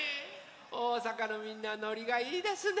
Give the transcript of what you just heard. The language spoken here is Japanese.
おおさかのみんなノリがいいですね。